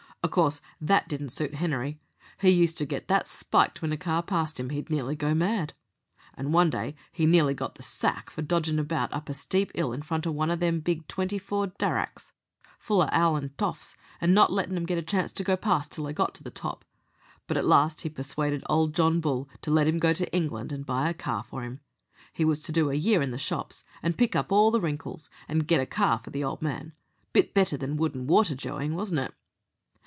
O' course that didn't suit Henery. He used to get that spiked when a car passed him, he'd nearly go mad. And one day he nearly got the sack for dodgin' about up a steep 'ill in front of one o' them big twenty four Darracqs, full of 'owlin' toffs, and not lettin' 'em get a chance to go past till they got to the top. But at last he persuaded old John Bull to let him go to England and buy a car for him. He was to do a year in the shops, and pick up all the wrinkles, and get a car for the old man. Bit better than wood and water joeying, wasn't it?"